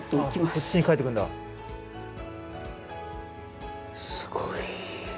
すごい。